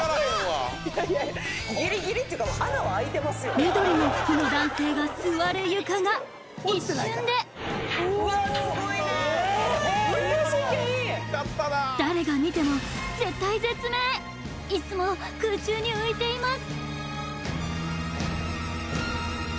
緑の服の男性が座る床が一瞬で誰が見ても絶体絶命いすも空中に浮いています